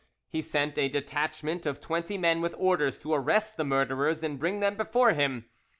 He sent a detachment of twenty men with orders to arrest the murderers and bring them before him.